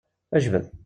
Jbed!